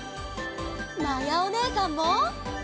まやおねえさんも！